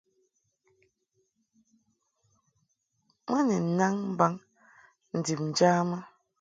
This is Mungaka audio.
Mɨ ni nnaŋ mbaŋ ndib njamɨ.